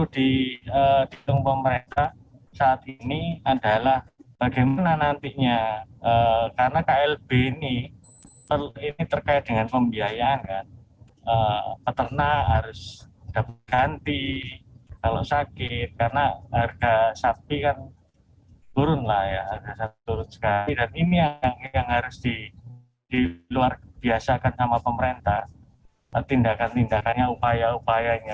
dan ini yang harus diluar biasakan sama pemerintah tindakan tindakannya upaya upayanya